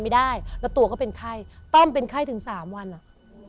ไม่ได้แล้วตัวก็เป็นไข้ต้อมเป็นไข้ถึงสามวันอ่ะ